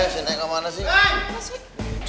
si neng kemana sih